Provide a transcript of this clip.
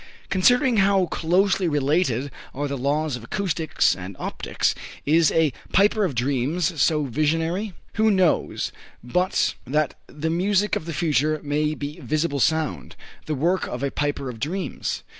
Considering how closely related are the laws of acoustics and optics, is a "Piper of Dreams" so visionary? Who knows but that the music of the future may be visible sound the work of a piper of dreams?